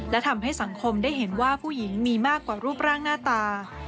และทำให้สังคมได้เห็นว่าผู้หญิงมีมากกว่ารูปร่างหน้าตา